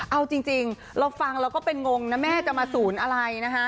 เอาจริงเราฟังเราก็เป็นงงนะแม่จะมาศูนย์อะไรนะฮะ